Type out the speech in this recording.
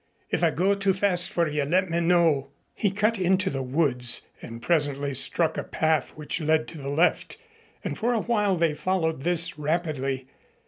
"If I go too fast for you, let me know." He cut into the woods and presently struck a path which led to the left, and for a while they followed this rapidly.